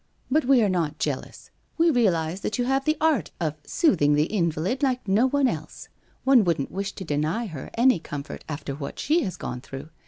But we are not jealous, we realize that you have the art of soothing the 317 318 WHITE ROSE OF WEARY LEAF invalid like no one else. One wouldn't wish to deny her any comfort after what she has gone through.